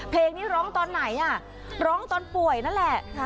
เพลงนี้ร้องตอนไหนอ่ะร้องตอนป่วยนั่นแหละ